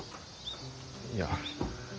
いや。